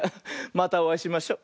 またおあいしましょ。